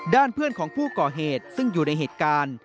ด้านเพื่อนของผู้ก่อเหตุซึ่งอยู่ในเหตุการณ์